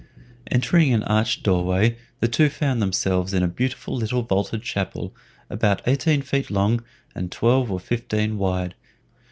Entering an arched door way, the two found themselves in a beautiful little vaulted chapel, about eighteen feet long and twelve or fifteen wide.